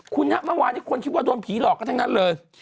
คุณฮะเมื่อวานนี้คนคิดว่าโดนผีหลอกกันทั้งนั้นเลย